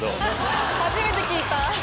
初めて聞いた！